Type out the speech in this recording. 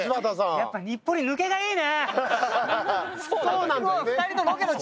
やっぱ日暮里、抜けがいいね！